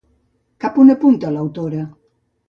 Cap a on apunta l'autora?